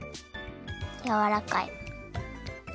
やわらかい。